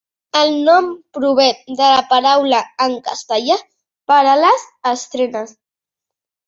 El nom prové de la paraula en castellà per a les "estrenes".